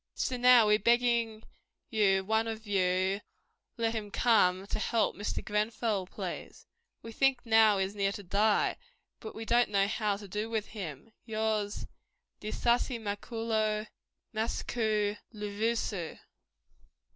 So now we beging you one of you let him come to help Mr Grenfell please. We think now is near to die, but we don't know how to do with him. Yours, DISASI MAKULO, MASCOO LUVUSU."